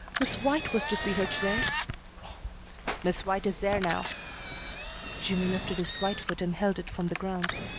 Miss White was to see her to day." "Miss White is there now." Jimmy lifted his right foot and held it from the ground.